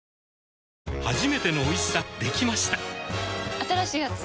新しいやつ？